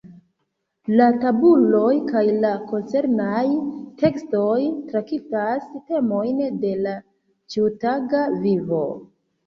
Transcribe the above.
La tabuloj kaj la koncernaj tekstoj traktas temojn de la ĉiutaga vivo.